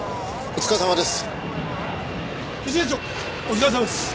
お疲れさまです！